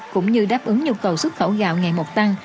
cũng như đáp ứng nhu cầu xuất khẩu gạo ngày một tăng